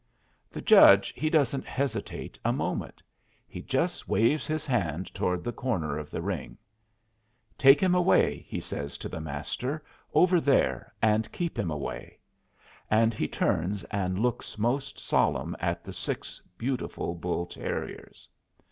The judge he doesn't hesitate a moment. He just waves his hand toward the corner of the ring. "Take him away," he says to the Master, "over there, and keep him away"; and he turns and looks most solemn at the six beautiful bull terriers.